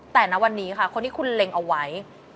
แต่ณวันนี้ค่ะคนที่คุณเล็งเอาไว้